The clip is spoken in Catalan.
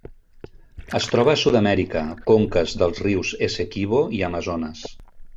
Es troba a Sud-amèrica: conques dels rius Essequibo i Amazones.